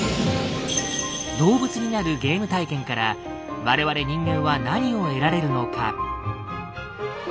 動物になるゲーム体験から我々人間は何を得られるのか。